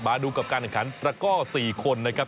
มาดูกับการแข่งขันตระก้อ๔คนนะครับ